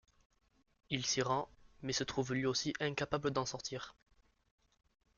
Il s'y rend, mais se retrouve lui aussi incapable d'en sortir.